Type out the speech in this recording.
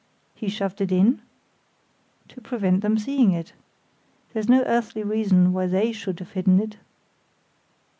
"He shoved it in?" "To prevent them seeing it. There's no earthly reason why they should have hidden it."